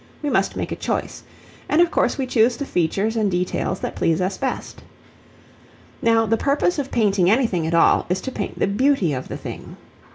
We must make a choice, and of course we choose the features and details that please us best. Now, the purpose of painting anything at all is to paint the beauty of the thing.